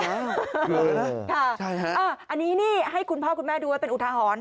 ใช่เหรอใช่ค่ะอันนี้นี่ให้คุณพ่อคุณแม่ดูแล้วเป็นอุดทาหอน